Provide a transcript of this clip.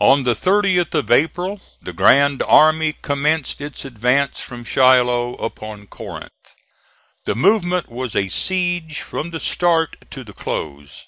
On the 30th of April the grand army commenced its advance from Shiloh upon Corinth. The movement was a siege from the start to the close.